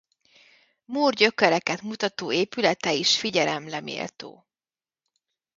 Mór gyökereket mutató épülete is figyelemre méltó.